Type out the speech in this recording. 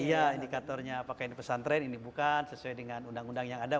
iya indikatornya apakah ini pesantren ini bukan sesuai dengan undang undang yang ada